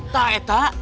tak eh tak